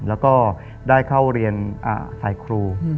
แล้วก็ได้เข้าเรียนไทยครู